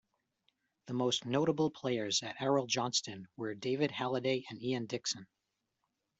The most notable players at Arrol-Johnston were Dave Halliday and Ian Dickson.